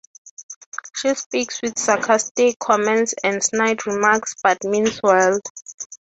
She speaks with sarcastic comments and snide remarks, but means well.